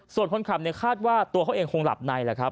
ส่วนคนขับเนี่ยคาดว่าตัวเขาเองคงหลับในแหละครับ